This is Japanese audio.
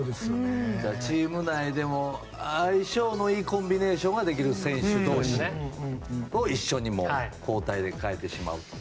チーム内でも相性のいいコンビネーションができる選手同士を一緒に交代で代えてしまうと。